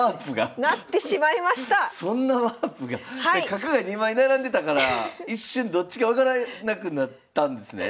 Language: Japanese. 角が２枚並んでたから一瞬どっちか分からなくなったんですね？